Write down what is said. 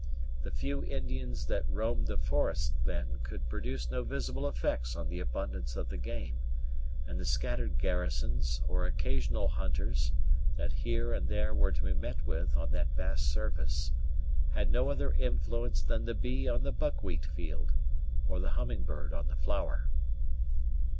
The few Indians that roamed its forests then could produce no visible effects on the abundance of the game; and the scattered garrisons, or occasional hunters, that here and there were to be met with on that vast surface, had no other influence than the bee on the buckwheat field, or the humming bird on the flower.